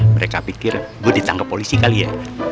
mereka pikir gue ditangkap polisi kali ya